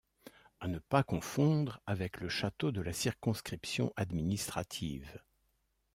À ne pas confondre avec le château de la circonscription administrative.